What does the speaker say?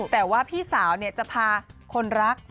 แต่ว่าพี่สาวจะพาคนรัก